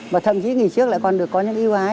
và thậm chí nghỉ trước lại còn được có những ưu ái